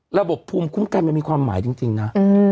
ระบบภูมิคุ้มกันมันมีความหมายจริงนะ